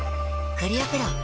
クリアプロだＣ。